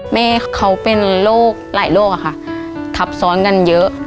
แม่เขาเป็นโรคหลายโรคอะค่ะทับซ้อนกันเยอะ